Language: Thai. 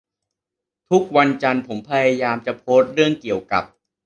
ทุกวันจันทร์ผมพยายามจะโพสเรื่องเกี่ยวกับ